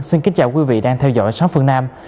xin kính chào quý vị đang theo dõi xóm phương nam